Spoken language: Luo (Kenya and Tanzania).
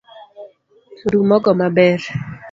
Ru mogo maber